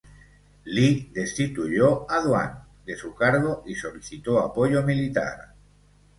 Li destituyó a Duan de su cargo y solicitó apoyo militar.